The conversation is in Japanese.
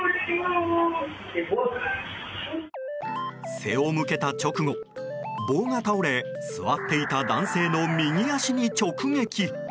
背を向けた直後棒が倒れ座っていた男性の右足に直撃。